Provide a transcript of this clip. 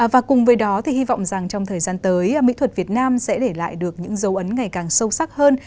và cùng với đó thì hy vọng rằng trong thời gian tới mỹ thuật việt nam sẽ để lại được những dấu ấn ngày càng sâu sắc hơn